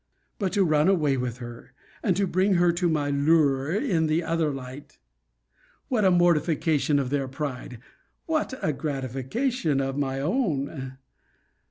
But to run away with her, and to bring her to my lure in the other light, what a mortification of their pride! What a gratification of my own!